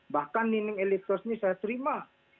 bahkan nilai elektros ini saya terima